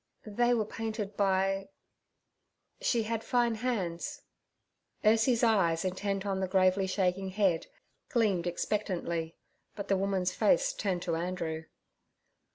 They—were—painted—by—. She had fine hands—' Ursie's eyes, intent on the gravely shaking head, gleamed expectantly, but the woman's face turned to Andrew.